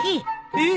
えっ。